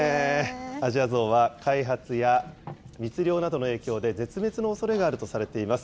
アジアゾウは、開発や密猟などの影響で、絶滅のおそれがあるとされています。